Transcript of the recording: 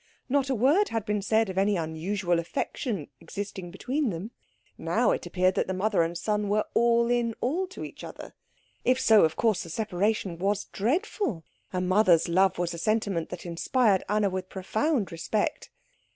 Not a word had been said of any unusual affection existing between them. Now it appeared that the mother and son were all in all to each other. If so, of course the separation was dreadful. A mother's love was a sentiment that inspired Anna with profound respect.